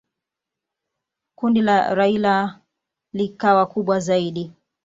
Kundi la Raila likawa kubwa zaidi.